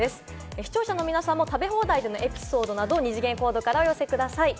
視聴者の皆さんも食べ放題でのエピソードなど二次元コードからお寄せください。